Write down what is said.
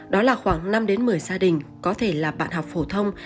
đó là khoảng năm một mươi gia đình có thể là bạn học phổ thông